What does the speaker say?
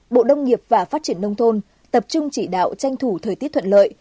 bộ đông nghiệp và phát triển nông thôn tập trung chỉ đạo tranh thủ thời tiết thuận lợi